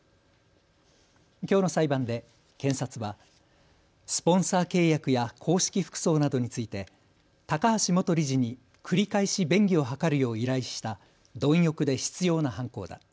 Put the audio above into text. きょうの裁判で検察はスポンサー契約や公式服装などについて高橋元理事に繰り返し便宜を図るよう依頼した貪欲で執ような犯行だ。